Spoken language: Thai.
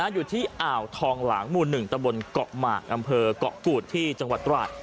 อยู่ที่อ่าวทองหลางหมู่๑ตะบนเกาะหมากอำเภอกเกาะกูดที่จังหวัดตราด